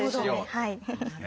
はい。